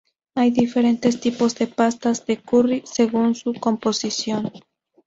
Hay diferentes tipos de pasta de "curry" según su composición.